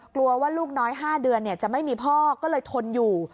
กลัวว่าลูกน้อย๕เดือนจะไม่มีพ่อก็เลยทนอยู่